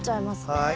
はい。